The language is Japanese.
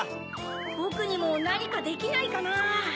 ボクにもなにかできないかなぁ。